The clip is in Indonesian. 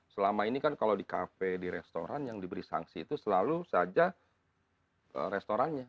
selama ini kan kalau di kafe di restoran yang diberi sanksi itu selalu saja restorannya